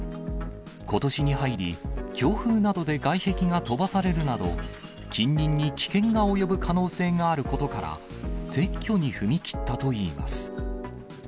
ことしに入り、強風などで外壁が飛ばされるなど、近隣に危険が及ぶ可能性があることから、撤去に踏み切ったといいます。